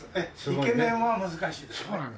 イケメンは難しいです。